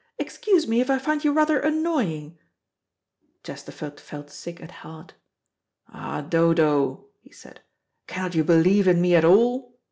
Excuse me if I find you rather annoying." Chesterford felt sick at heart. "Ah, Dodo," he said, "cannot you believe in me at all?"